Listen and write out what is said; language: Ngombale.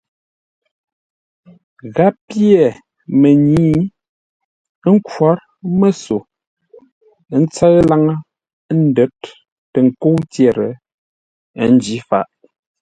Gháp pyê mənyǐ, ə́ nkhwǒr məsô ńtsə́ʉ laŋə́ ə́ ndə́r tə nkə́u tyer, ə́ njǐ faʼ.